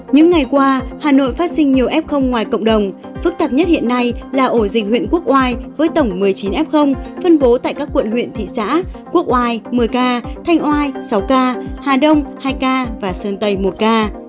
những ngày qua hà nội phát sinh nhiều f ngoài cộng đồng phức tạp nhất hiện nay là ổ dịch huyện quốc oai với tổng một mươi chín f phân bố tại các quận huyện thị xã quốc oai một mươi ca thanh oai sáu ca hà đông hai ca và sơn tây một ca